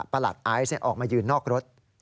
หลัดไอซ์ออกมายืนนอกรถ